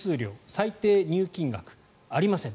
最低入金額、ありません。